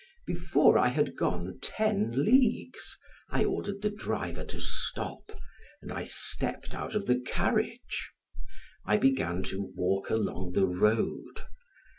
Before I had gone ten leagues I ordered the driver to stop, and I stepped out of the carriage. I began to walk along the road.